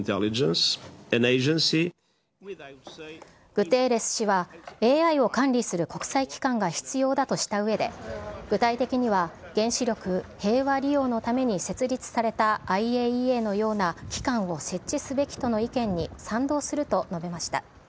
グテーレス氏はＡＩを管理する国際機関が必要だとしたうえで、具体的には、原子力平和利用のために設立されたＩＡＥＡのような機関を設置すべきとの意見に賛同すると述べました。